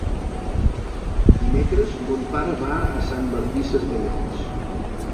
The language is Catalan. Dimecres mon pare va a Sant Martí Sesgueioles.